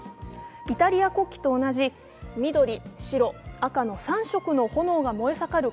イタリア国旗と同じ緑・白・赤の３色の炎が燃え盛る